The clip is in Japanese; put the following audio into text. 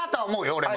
俺も。